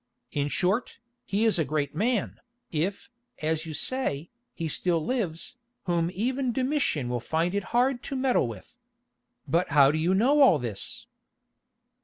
In short, he is a great man, if, as you say, he still lives, whom even Domitian will find it hard to meddle with. But how do you know all this?"